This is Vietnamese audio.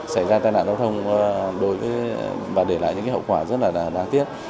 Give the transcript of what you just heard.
xảy ra tai nạn giao thông và để lại những hậu quả rất là đáng tiếc